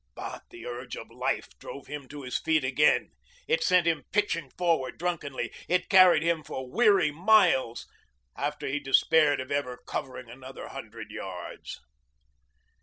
But the urge of life drove him to his feet again. It sent him pitching forward drunkenly. It carried him for weary miles after he despaired of ever covering another hundred yards.